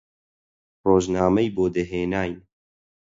ڕۆژنامەی بۆ دەهێناین